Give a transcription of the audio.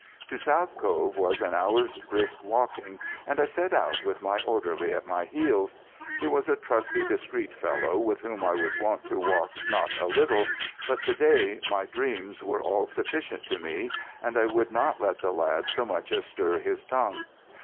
To South Cove was an hour's brisk walking, and I set out, with my orderly at my heels. He was a trusty, discreet fellow, with whom I was wont to talk not a little; but to day my dreams were all sufficient to me, and I would not let the lad so much as stir his tongue.